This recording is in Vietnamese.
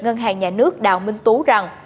ngân hàng nhà nước đào minh tú rằng